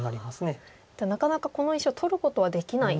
じゃあなかなかこの石を取ることはできないんですか。